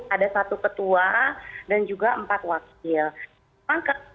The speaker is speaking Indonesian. ada satu ketua dan juga empat wakil